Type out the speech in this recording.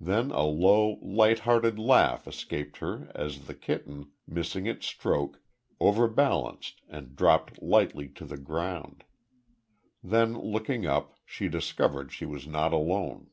Then a low, lighthearted laugh escaped her as the kitten, missing its stroke, overbalanced and dropped lightly to the ground. Then looking up, she discovered she was not alone.